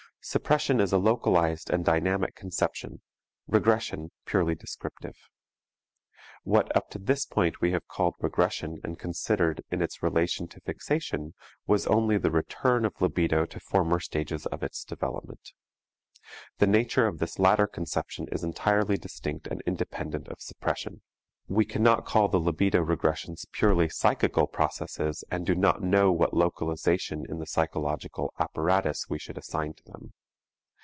Suppression is a localized and dynamic conception, regression purely descriptive. What up this point we have called regression and considered in its relation to fixation, was only the return of libido to former stages of its development. The nature of this latter conception is entirely distinct and independent of suppression. We cannot call the libido regressions purely psychical processes and do not know what localization in the psychological apparatus we should assign to them.